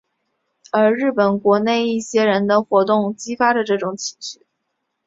而日本国内一些人的活动也激发着这种情绪。